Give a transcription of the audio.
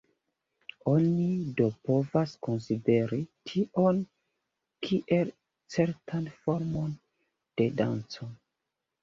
Oni do povas konsideri tion kiel certan formon de danco.